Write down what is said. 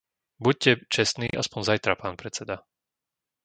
Buďte čestný aspoň zajtra, pán predseda!